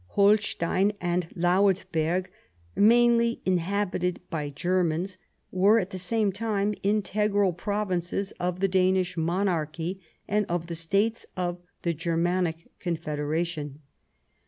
Holstein and Lauenberg, m.ainly in habited by Germans, were at the same time integral provinces of the Danish Monarchy and of the States of the Germanic Confederation.